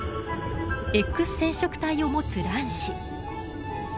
Ｘ染色体を持つ卵子。